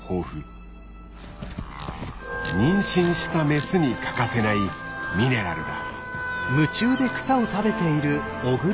妊娠したメスに欠かせないミネラルだ。